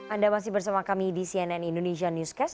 anda masih bersama kami di cnn indonesia newscast